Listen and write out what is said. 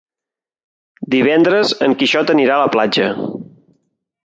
Divendres en Quixot anirà a la platja.